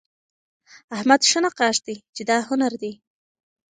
احمد ښه نقاش دئ، چي دا هنر دئ.